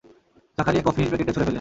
জাকারিয়া কফির প্যাকেটটা ছুঁড়ে ফেললেন।